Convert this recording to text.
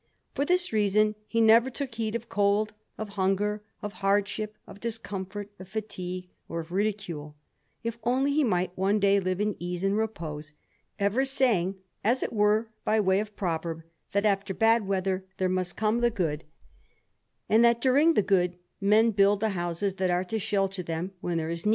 For this reason he never took heed of cold, of hunger, of hardship, of discomfort, of fatigue, or of ridicule, if only he might one day live in ease and repose; ever saying, as it were by way of proverb, that after bad weather there must come the good, and that during the good men build the houses that are to shelter them when there is need.